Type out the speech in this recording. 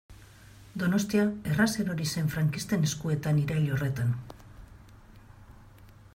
Donostia erraz erori zen frankisten eskuetan irail horretan.